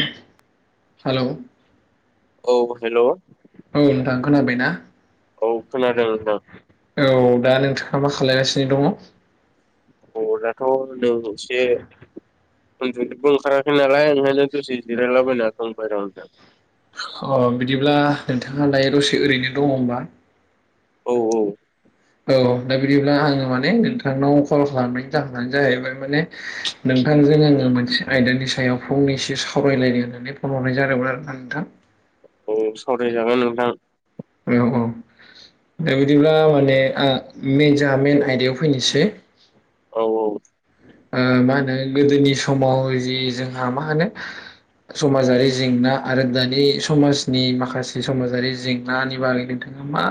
ओहो हेलौ औ हेल' [inaudible] औ नोंथां। खोनाबायना? औ खोनादों आं खोनादों। औ दा नोंथाङा मा खालायगासिनो दङ? अ दाथ' दं एसे। उन्दुबो ओंखाराखै नालाय ओंखायनो दसे जिरायलाबायना दं बायेराव। अ बिदिब्ला नोंथाङालाय दसे ओरैनो दङ होमबा? औ औ। औ दा बिदिब्ला आङो माने नोंथांनाव कल खालामनायनि जाहोनानो जाहैबाय माने नों नोंथांजों आङो मोनसे आयदानि सायाव फंनैसो सावरायलायदों होननानै फन हरनाय जादोंमोन आरोना नोंथां। औ सावरायजागोन नोंथां। औ औ दा बिदिब्ला माने ओ मेन जों मेन आयदायाव फैनोसै। औ औ। ओ मा होनो गोदोनि समाव जि जोंहा मा होनो समाजारि जेंना आरो दानि समाजनि माखासे समाजारि जेंनानि बागै नोंथां। मा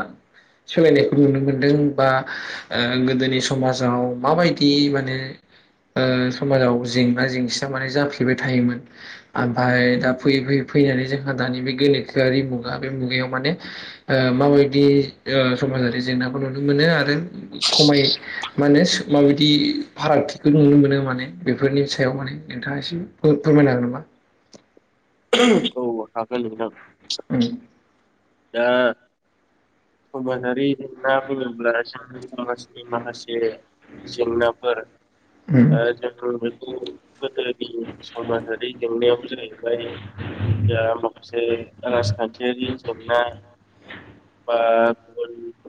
सोलायनायखौ नुनो मोनदों बा ओ गोदोनि समाजाव माबायदि माने [inaudible] ओ समाजाव जेंना जेंसिया माने जाफ्लेबाय थायोमोन ओमफ्राय दा फैयै फैयै फैनानै जोंहा दानि बे गोनोखोआरि मुगा बे मुगायाव माने ओ माबायदि ओ समाजारि जेंनाखौ नुनो मोनो आरो खमाय मा होनो माबायदि फारागथि बेखौ नुनो मोनो माने। बेफोरनि सायाव माने नोंथाङा एसे फोरमायनो हागोन नामा? औ हागोन उम नोंथां। दा [inaudible] समाजारि जेंना बुङोब्ला जोंनि समाजनि माखासे जेंनाफोर ओ जों बेखौ गोदोनि समाजारि जेंनायाबो जाहैबाय जा माखासे राजखान्थियारि जेंना बा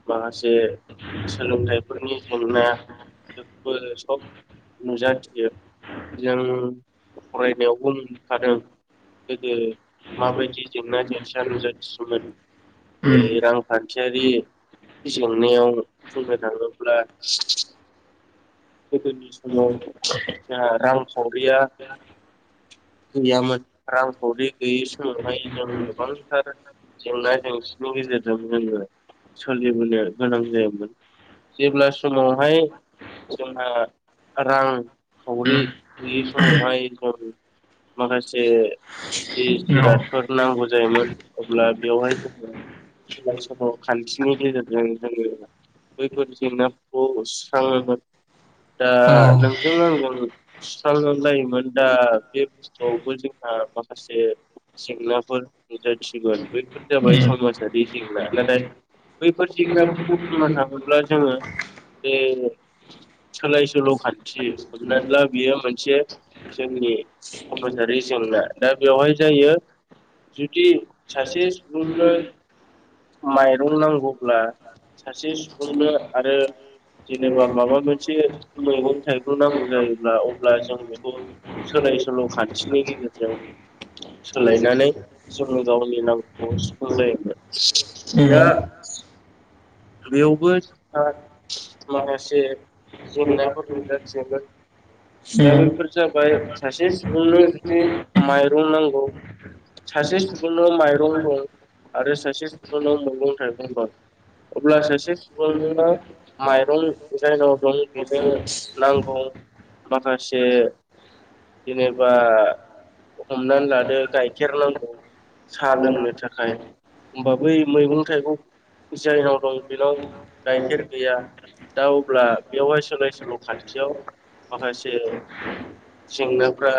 माखासे सोलोंथाइफोरनि जेंना फोर सब नुजाथियो जों फरायनायाव बुंखादों गोदो माबायदि जेंना जेंसिया नुजाथि दोंमोन। बे रांखान्थियारि जेंनायाव बुंनो थाङोब्ला [inaudible] गोदोनि समाव जोंहा रांखावरिया गैयामोन रां खावरि गैयि समावहाय जों गोबांथार जेंना जेंसिनि गेजेरजों जोङो। सोलिबोनो गोनां जायोमोन जेब्ला समावहाय जोंहा रांखावरि गैयि समावहाय जों माखासे जि जिरादफोर नांगौ जायोमोन। अब्ला बेवहाय जोङो सोलय सल' खान्थिनि गेजेरजों जोङो बैफोर जेंनाफोरखौ सुस्राङोमोन। [inaudible] दा नोंजों आंजों सुस्रां जायोमोन दा बे बुस्थुआवबो जोंहा माखासे जेंनाफोर नुजासिगोन बैफोर जाबाय समाजारि जेंना नाथाय बैफोर जेंनाफोरखौ बुंनो थाङोब्ला जोङो बे सोलाय सोल' खान्थि हमनानै ला बियो मोनसे जोंनि समासारि जेंना दा बेवहाय जायो। जुदि सासे सुबुंनो माइरं नांगौब्ला सासे सुबुंनो आरो जेने बा माबा मोनसे मैगं थाइगं नांगौ जायोब्ला अब्ला जों बेखौ सोलाय सोल' खान्थिनि गेजेरजों सोलायनानै जों गावनि नामखौ [unintelligible] दा बेयावबो [unintelligible] माखासे जेंनाफोर नुजाथियोमोन दा बैफोर जाबाय सासे सुबुंनो जुदि माइरं नांगौ। सासे सुबुंनाव माइरं दं आरो सासे सुबुंनाव मैगं थाइगं दं अब्ला सासे सुबुंनो माइरं जायनाव दं बेनो नांगौ। माखासे जेनेबा हमनानै लादो गाइखेर नांगौ। साहा लोंनो थाखाय होनबा बै मैगं थाइगं जायनाव दं बेनाव गाइखेर गैया। दा अब्ला बेवहाय सोलाय सोल' खान्थियाव माखासे जेंनाफ्रा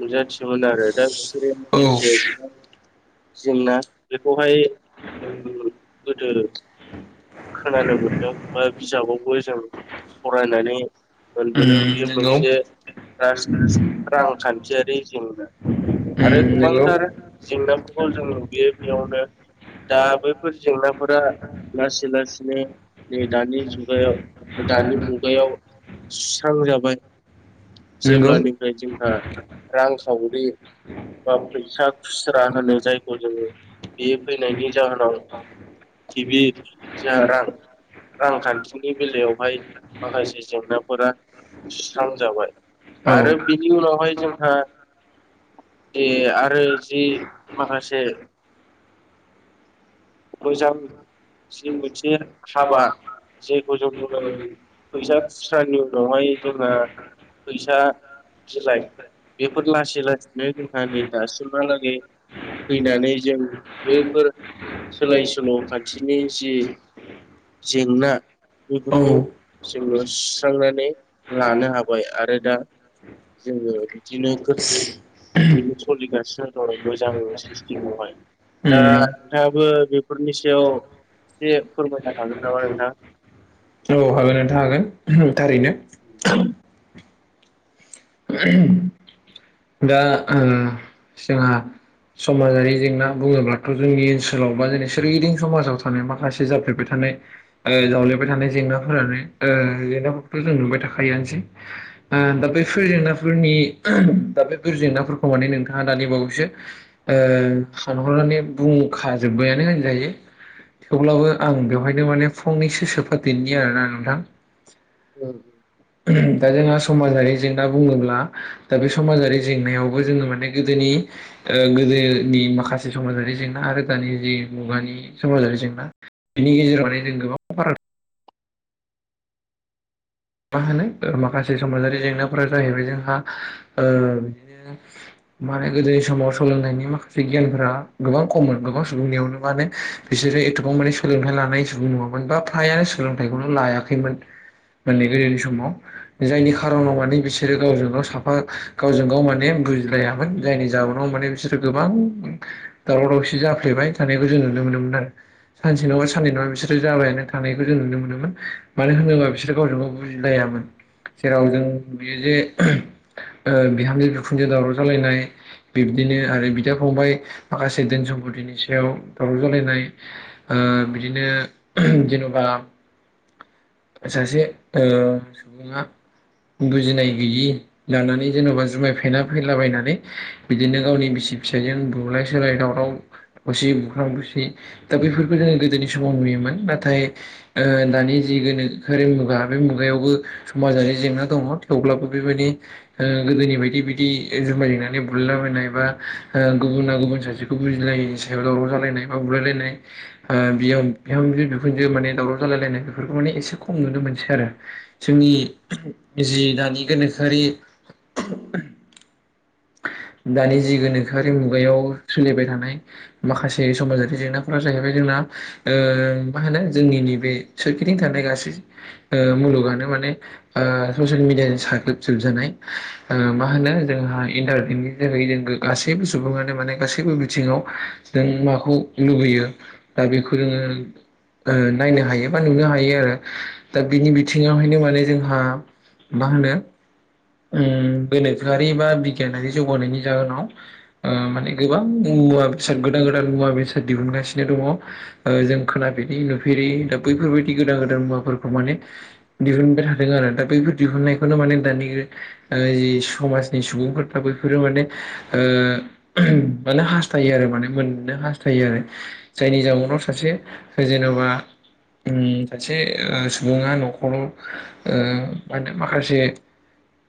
नुजाथियोमोन आरो दा [unintelligible] गोबां जोंना बेखौहाय [unintelligible] खोनानो मोनदों बा बिजाबावबो जों फरायनानै मोनबोदों बे मोनसे राज रांखान्थियारि जेंना क्ष आरो नंगौ गोबांथार जेंनाफोरखौ जों नुबोयो बेयावनो दा बैफोर जेंनाफोरा [unintelligible] लासिनो नै दानि जुगायाव दानि मुगायाव स्रां जाबाय। नंगौ जेब्लानिफ्राय जोंहा रांखावरि बा फैसा खुस्रा होनो जायखौ जोङो बे फैनायनि जाहोनाव गिबि जोंहा रां रांखान्थिनि बेलायावहाय माखासे जेंनाफोरा सुस्रांजाबाय औ आरो बिनि उनावहाय जोंहा [unintelligible] आरो जि माखासे मोजां जि मोनसे हाबा जेखौ जों [unintelligible] फैसा खुस्रानि उनावहाय जोंहा फैसा बिलाइ बेफोर लासै लासैनो जोंहा नै दासिमहालागै फैनानै जों बिलाइ बैफोर [unintelligible] सोलाय सोल' खान्थिनि जि जेंना औ बेफोरखौ उम जोङो सुस्रांनानै लानो हाबाय आरो दा जोङो बिदिनो [unintelligible] बेनो सोलिगासिनो दं मोजां सिस्टेमावहाय दा नोंथाङाबो बेफोरनि सायाव एसे फोरमायनो हागोन नामा नोंथां औ हागोन नोंथां हागोन थारैनो दा ओ जोंहा समाजारि जेंना बुङोब्लाथ' जोंनि ओनसोलाव बा जोंनि सोरगिदिं समाजाव थानाय माखासे जाफेरबाय था नाय जावलेबाय थानाय जेंनाफोरानो ओ जेंनाफोरखौथ' जों नुबाय थाखायोआनोसै ओ दा बे फोर जेंनाफोरनि दा बेफोर जेंनाफोरखौ माने नोंथाङा दानि बावैसो ओ सानहरनानै बुंखाजोब्बायानो होनजायो थेवब्लाबो आं बेवहायनो माने फंनैसो सोफादेरनि आरोना नोंथां नोंथां? दा जोंहा समाजारि जेंना बुङोब्ला दा बे समाजारि जेंनायावबो जोङो माने गोदोनि ओ गोदोनि माखासे समाजारि जेंना आरो दानि जि मुगानि समाजारि जेंना बेनि गेजेराव माने जों गोबां फाराग मा होनो माखासे समाजारि जेंनाफोरा जाहैबाय जोंहा ओ बिदिनो माने गोदोनि समाव सोलोंनायनि माखासे गियानफोरा गोबां खममोन गोबां सुबुंनियावनो माने बिस। जेरै एथ'बां माने सोलोंथाइ लानाय जुग नङामोन बा फ्रायानो सोलोंथाइखौनो लायाखैमोन। मोननै गोरोनि समाव जायनि खारनाव माने बिसोरो गावजों-गाव साफा गावजों-गाव माने बु । मिलायामोन जायनि जाहोनाव माने बिसोरो गोबां दावराव-दावसि जाफ्लेबाय थानायखौ जों नुनो मोनो दा सानसे नङा, साननै नङा बिसोरो जाबायानो थानायखौ जों नुनो मोनोमोन मानो होनोबा । बिसोर गावजों-गाव बुजिलायामोन। जेराव जों बियो जे ओ बिहामजो-बिखुनजो दावराव जालायनाय बि बिदिनो आरो बिदा-फंबाय माखासे धोन-सम्फतनि सायाव दावराव जालायनाय ओ बि। बिदिनो जेन'बा सासे ओ सुबुङा। बुजिनाय गैयि लानानै जेन'बा जुमाय फेना फैलाबायनानै बिदिनो गावनि बिसि। सि-फिसाइजों बुलाय सोलाय दावराव असि बुख्रां-बुसि दा बेफोरखौ जोङो गोदोनि समाव नुयोमोन नाथाय ओ दानि जि गोनो । होरों मुगा आगोल मुगायावबो समाजारि जेंना दङ' थेवब्लाबो बेबायदि ओ गोदोनि बायदि। दि बिदि ओ जुमाय लोंनानै बुलायला बायनाय बा ओ गुबुना गुबुन सासेखौ बुजिलायनि सायाव दावरा। बा बुलायलायनाय ओ बिय बिहामजो-बिखुनजो दावराव जालायनाय बेफोरखौ माने एसे ख खम नुनो मोनसै आरो जोंनि जि दानि गोनोखोआरि। [unintelligible] दानि जि गोनोखोआरि मुगायाव सोलिबाय थानाय माखासे समाजारि जेंनाफोरा जाहैबाय जोंना। ओ मा होनो जोंनि नि बे सोरखिथिं थानाय गासै ओ मुलुगानो माने। ओ ससिल मिडियानि साग्लोबजोबजानाय ओ मा होनो जोंहा। इन्टारभेटनि जोहै जों गो गासैबो सुबुङानो माने गासैबो बिथिङाव जों माखौ लुबैयो। दा बेखौ जोङो। ओ नायनो हायो बा, नुनो हायो आरो दा बिनि बिथिङावहायनो माने जोंहा। मा होनो उम गोनोखोआरि बा बि। जौगानायनि जाहोनाव ओ माने गोबां मुवा बेसाद गोदान-गोदान मुवा बेसाद दिहुननाय। गासिनो दङ' ओ जों खोनाफेरि नुफेरै दा बैफोरबायदि गोदान-गोदान मुवाफोरखौ माने। दिहुनबाय थादों आरो दा बैफोर दिहुननायखौनो माने दानि ओ जि समाजनि सुबुंफोर। ओ बैफोरो माने ओ माने हास्थायो आरो माने मोननो हास्थायो आरो। जायनि जाउनाव सासे जेनेबा सासे सुबुङा न'खराव ओ मा होनो माखासे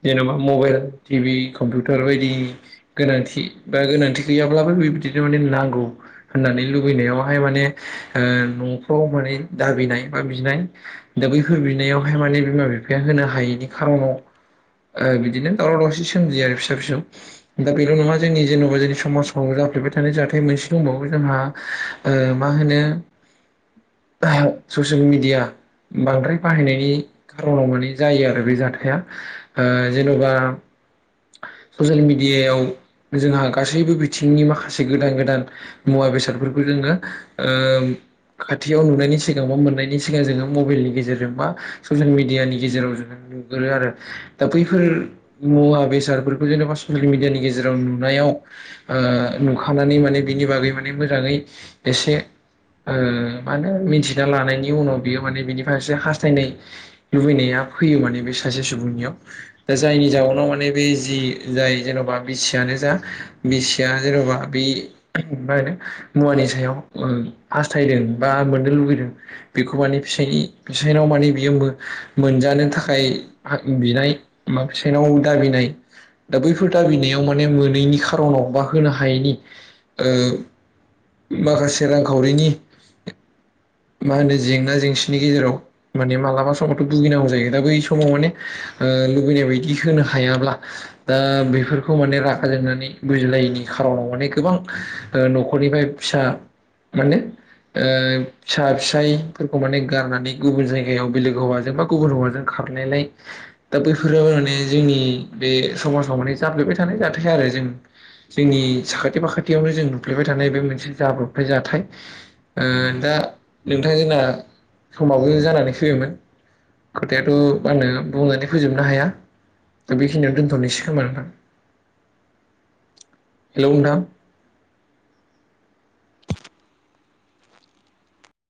जेनेबा मबाइल टिबि कम्पिउटार बायदि गोनांथि बा गोनांथि गैयाब्लाबो बेब्दिनो माने नांगौ होननानै लुबैनायावहाय माने ओ न'फ्राव माने दाबिनाय बा बिनाय दा बै होर बिनायावहाय माने बिमा बिफाया होनो हायैनि खार [unintelligible] ओ बिदिनो दावराव दावसि सोमजियो आरो [unintelligible] फिसा फिसौ दा बेल' नङा जोंनि जेन'बा जोंनि समाजाव जाफ्लेबाय थानाय जाथाय मोनसे दंबावो जोंहा ओ मा होनो ससियेल मिडिया बांद्राय बाहायनायनि खारनाव माने जायो आरो बे जाथाया ओ जेन'बा ससियेल मिडियायाव जोंहा गासैबो बिथिंनि माखासे गोदान गोदान मुवा बेसादफोरखौ जोङो ओ खाथियाव नुनायनि सिगां बा मोननायनि सिगां जोङो मबेइलनि गेजेरजों बा ससियेल मिडियानि गेजेराव जोङो नुगोरो आरो दा बैफोर मुवा बेस [unintelligible] जेनेबा ससियेल मिडियानि गेजेराव नुनायाव ओ नुखानानै माने बिनि बागै माने [unintelligible] मोजाङै एसे ओ मा होनो मिनथिना लानायनि उनाव, बियो माने बिनि फारसे हास्थायनाय लुबैनाया [unintelligible] फैयो माने बे सासे सुबुंनियाव, दा जायनि जाउनाव माने बे जि जाय जेन'बा बिसियानो जा बिसिया जेन'बा बे [unintelligible] मुवानि सायाव [unintelligible] हास्थायदों बा मोननो लुबैदों बेखौ माने फिसाय-फिसायनाव [unintelligible] माने बियो मो मोनजानो थाखाय हा बिनाय फिसायनाव दाबिनाय दा बैफोर दाबिनायाव माने मोनैनि खार'नाव बा होनो हायैनि माखासे रांखावरिनि मा होनो जेंना जेंसिनि गेजेराव माने मालाबा समावथ' भुगिनांगौ जायो दा बै समाव माने ओ लुबैनाय बायदि होनो हायाब्ला दा बेफोरखौ माने रागा जोंनानै बुजिलायैनि खारावलनानै गोबां ओ न'खरनिफ्राय फिसा माने ओ फिसा फिसायफोरखौ माने गारनानै गुबुन जायगायाव बेलेग हौवाजों बा गुबुन हौवाजों खारनायलाय दा बैफोरो माने जोंनि बे समाजाव माने जाफ्लेबाय थानाय जाथाय आरो जों जोंनि साखाथि फाखाथियावनो जों नुफ्लेबाय थानाय बे मोनसे जाब्रबनाय जाथाय ओ दा नोंथां जोंना समावबो जानानै फैबायमोन । खोथायाथ' आंनो बुंनानै फोजोबनो हाया दा बेखिनियाव दोन्थ'नोसै खोमा नोंथां । हेलौ नोंथां ।